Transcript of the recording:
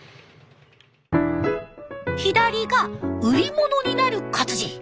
左が売り物になる活字。